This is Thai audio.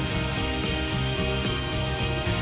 เหงื่อพี่แตกก่อนยา